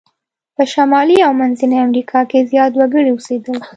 په شمالي او منځني امریکا کې زیات وګړي اوسیدل.